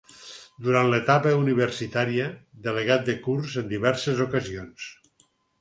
Durant l’etapa universitària, delegat de curs en diverses ocasions.